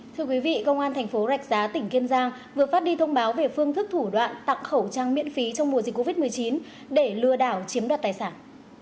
thưa quý vị công an thành phố rạch giá tỉnh kiên giang vừa phát đi thông báo về phương thức thủ đoạn tặng khẩu trang miễn phí trong mùa dịch covid một mươi chín để lừa đảo chiếm đoạt tài sản